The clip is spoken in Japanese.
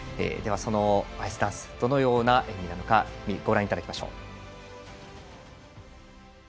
では、アイスダンスどのような演技なのかご覧いただきましょう。